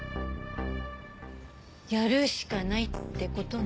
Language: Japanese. やるしかないって事ね。